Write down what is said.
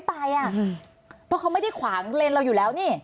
เพราะเขาไม่ได้ขวางเลนเราอยู่แล้วนี่